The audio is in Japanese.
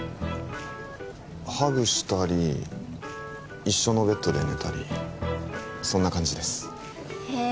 ハグしたり一緒のベッドで寝たりそんな感じですへえ